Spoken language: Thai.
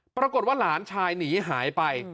ปรากฏว่าหลานชายหนีหายไป